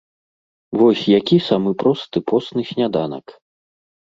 Вось які самы просты посны сняданак?